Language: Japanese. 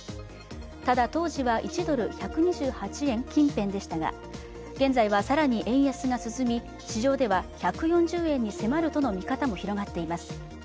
ただ当時は１ドル＝１２８円近辺でしたが現在は更に円安が進み、市場では１４０円に迫るとの見方も広がっています。